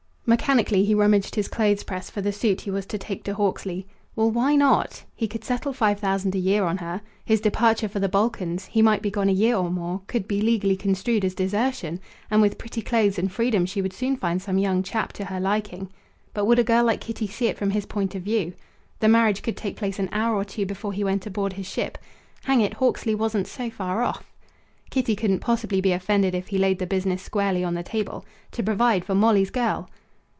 Mechanically he rummaged his clothes press for the suit he was to take to Hawksley. Well, why not? He could settle five thousand a year on her. His departure for the Balkans he might be gone a year or more could be legally construed as desertion. And with pretty clothes and freedom she would soon find some young chap to her liking. But would a girl like Kitty see it from his point of view? The marriage could take place an hour or two before he went aboard his ship. Hang it, Hawksley wasn't so far off. Kitty couldn't possibly be offended if he laid the business squarely on the table. To provide for Molly's girl!